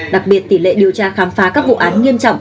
đặc biệt tỷ lệ điều tra khám phá các vụ án nghiêm trọng